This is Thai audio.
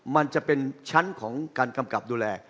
มันจะเป็นชั้นของการกำกับดูแล